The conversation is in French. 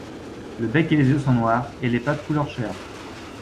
Le bec et les yeux sont noirs et les pattes couleur chair.